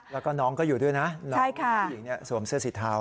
แล้วน้องก็อยู่ด้วยนะสวมเสื้อสีเท้า